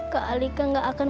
kak alika gak akan